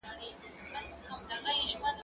زه بايد کتابتون ته راشم،